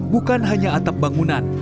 bukan hanya atap bangunan